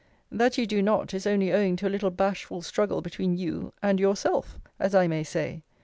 That you do not, is only owing to a little bashful struggle between you and yourself, as I may say.